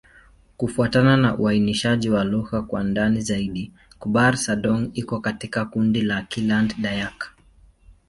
Kufuatana na uainishaji wa lugha kwa ndani zaidi, Kibukar-Sadong iko katika kundi la Kiland-Dayak.